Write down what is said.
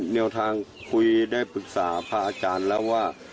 แนวทางคุยได้ปรึกษาพระอาจารย์แล้วว่า